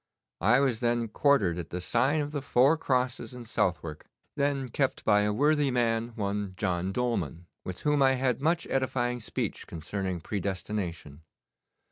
I was then quartered at the sign of the Four Crosses in Southwark, then kept by a worthy man, one John Dolman, with whom I had much edifying speech concerning predestination.